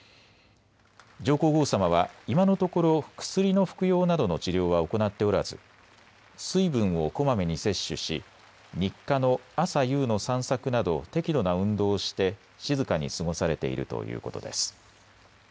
上皇后さまは今のところ薬の服用などの治療は行っておらず水分をこまめに摂取し日課の朝夕の散策など適度な運動をして静かに過ごされているということです。